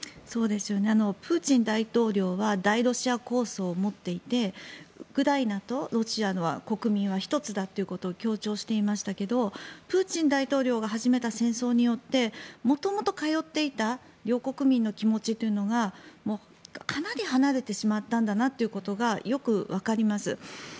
プーチン大統領は大ロシア構想を持っていてウクライナとロシアの国民は一つだということを強調していましたけれどもプーチン大統領が始めた戦争によって元々、通っていた両国民の気持ちというのがかなり離れてしまったんだなということがよくわかります。